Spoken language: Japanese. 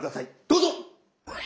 どうぞ。